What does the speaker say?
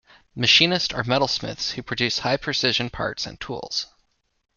Machinists are metalsmiths who produce high-precision parts and tools.